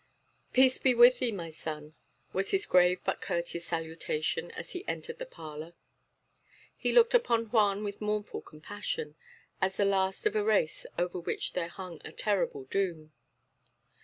"Peace be with thee, my son," was his grave but courteous salutation, as he entered the parlour. He looked upon Juan with mournful compassion, as the last of a race over which there hung a terrible doom.